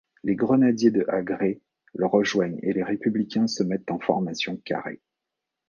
Les grenadiers de Hagré le rejoignent et les Républicains se mettent en formation carré.